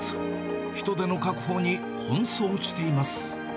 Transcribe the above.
人手の確保に奔走しています。